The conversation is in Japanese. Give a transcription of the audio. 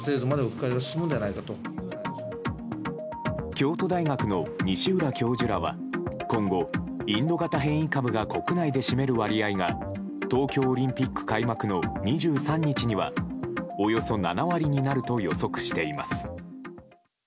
京都大学の西浦教授らは今後、インド型変異株が国内で占める割合が東京オリンピック開幕の２３日にはおよそ７割になると予測しています。